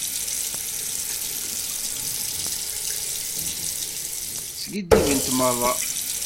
Skiddibent merra.